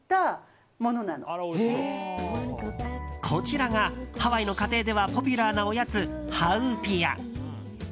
こちらがハワイの家庭ではポピュラーなおやつ、ハウピア。